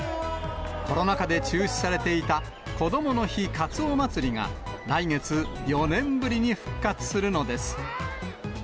コロナ禍で中止されていたこどもの日かつおまつりが、来月、４年ぶりに復活するのです。